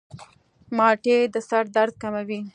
مالټې د سر درد کموي.